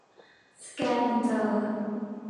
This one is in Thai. สแกน อินเตอร์